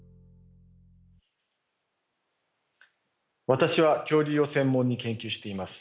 私は恐竜を専門に研究しています。